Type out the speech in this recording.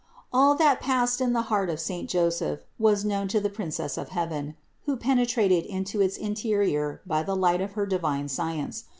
381. All that passed in the heart of saint Joseph was known to the Princess of heaven, who penetrated into its interior by the light of her divine science.